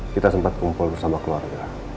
kita sempat kumpul bersama keluarga